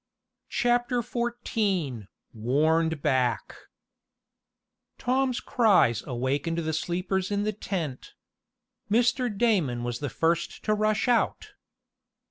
CHAPTER XIV WARNED BACK Tom's cries awakened the sleepers in the tent. Mr. Damon was the first to rush out.